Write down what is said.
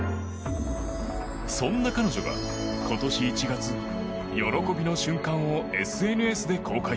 そんな彼女が、今年１月喜びの瞬間をＳＮＳで公開。